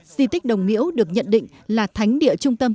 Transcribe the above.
di tích đồng miễu được nhận định là thánh địa trung tâm